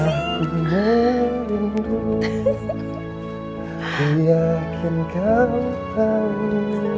aku merindu ku yakin kau tahu